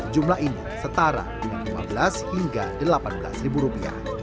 jumlah ini setara rp lima belas hingga rp delapan belas